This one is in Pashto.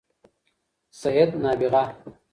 سید نابغه